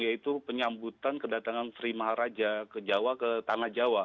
yaitu penyambutan kedatangan sri maharaja ke jawa ke tanah jawa